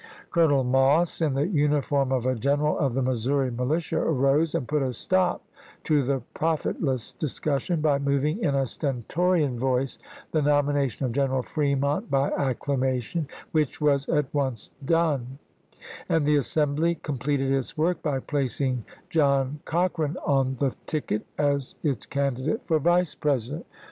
Colonel Moss, in the uniform of a general of the Missouri militia, arose and put a stop to the profit less discussion by moving in a stentorian voice the nomination of General Fremont by acclamation, which was at once done ; and the assembly com pleted its work by placing John Cochrane on the ticket as its candidate for Vice President.